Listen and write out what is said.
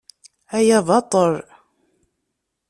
Aya baṭel.